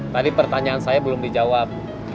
tadi pertanyaan saya belum dijawab